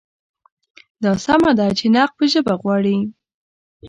دا سمه ده چې نقد به ژبه غواړي.